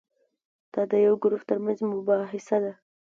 دا د یو ګروپ ترمنځ مباحثه ده.